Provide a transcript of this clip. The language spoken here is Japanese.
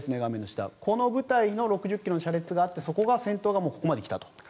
この部隊の６０ｋｍの車列があってその先頭がここまで来たと。